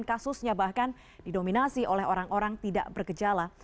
kasusnya bahkan didominasi oleh orang orang tidak bergejala